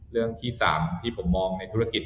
เรื่องที่๓ที่ผมมองในธุรกิจ